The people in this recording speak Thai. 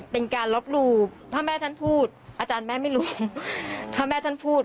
เป็นการลบหลู่ถ้าแม่ท่านพูดอาจารย์แม่ไม่รู้ถ้าแม่ท่านพูด